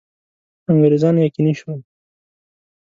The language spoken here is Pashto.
انګرېزان یقیني شول.